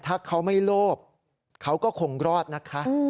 ถ้าเขาไม่โลภเขาก็คงรอดนะคะ